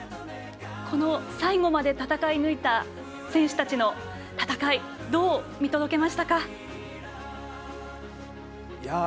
この最後まで戦い抜いた選手たちの戦いどう見届けましたか？